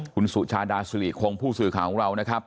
คุณสุชาดาสุริคงผู้สื่อข่าวของเรานะครับ